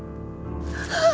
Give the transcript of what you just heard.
ああ！